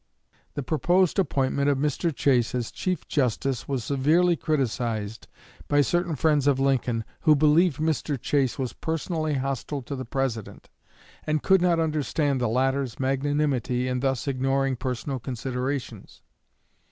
'" The proposed appointment of Mr. Chase as Chief Justice was severely criticized by certain friends of Lincoln, who believed Mr. Chase was personally hostile to the President, and could not understand the latter's magnanimity in thus ignoring personal considerations.